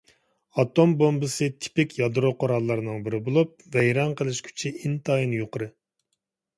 ئاتوم بومبىسى تىپىك يادرو قوراللارنىڭ بىرى بولۇپ، ۋەيران قىلىش كۈچى ئىنتايىن يۇقىرى.